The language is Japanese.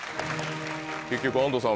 ・結局安藤さん